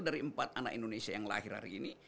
dari empat anak indonesia yang lahir hari ini